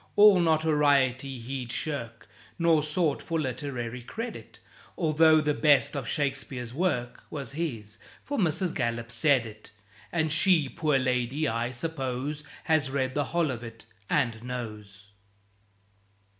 All notoriety he'd shirk, Nor sought for literary credit, Although the best of Shakespeare's work Was his. (For Mrs. Gallup said it, And she, poor lady, I suppose, Has read the whole of it, and knows.)